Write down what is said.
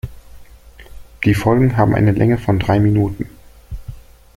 Die Folgen haben eine Länge von drei Minuten.